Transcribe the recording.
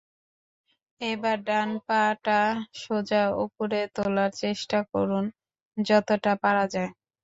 এবার ডান পা-টা সোজা ওপরে তোলার চেষ্টা করুন, যতটা পারা যায়।